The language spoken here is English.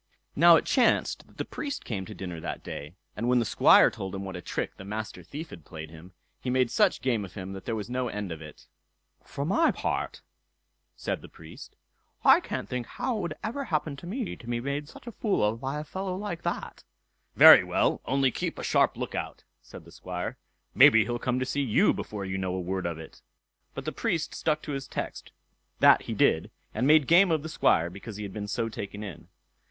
Now it chanced that the Priest came to dinner that day, and when the Squire told him what a trick the Master Thief had played him, he made such game of him that there was no end of it. "For my part", said the Priest, "I can't think how it could ever happen to me to be made such a fool of by a fellow like that." "Very well—only keep a sharp look out", said the Squire; "maybe he'll come to see you before you know a word of it." But the Priest stuck to his text—that he did, and made game of the Squire because he had been so taken in.